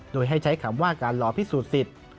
โดยให้ใช้คำว่าการรอพิสูจน์สิทธิ์